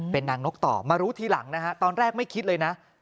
เป็นนางนกต่อมารู้ทีหลังนะฮะตอนแรกไม่คิดเลยนะ